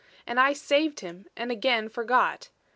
"And I saved him and again forgot.